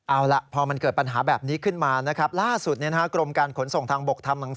เอาละพอมันเกิดปัญหาแบบนี้ขึ้นมานะครับ